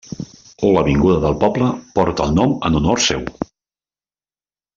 L'avinguda del poble, porta el nom en honor seu.